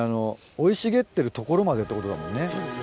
生い茂ってる所までってことだもんね。